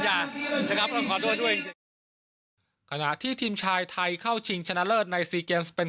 จริงขณะที่ทีมชายไทยเข้าชิงชนะเลิศในสี่เกมเป็น